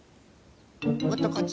もっとこっち。